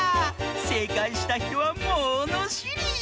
せいかいしたひとはものしり！